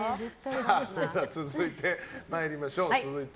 それでは続いて参りましょう。